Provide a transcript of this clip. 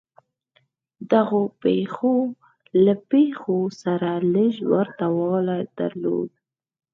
دغو پېښو له پېښو سره لږ ورته والی درلود.